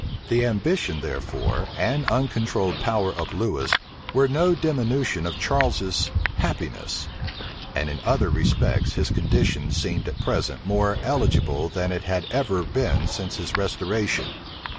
The ambition, therefore, and uncontrolled power of Lewis were no diminution of Charles's happiness; and in other respects his condition seemed at present more eligible than it had ever been since his restoration.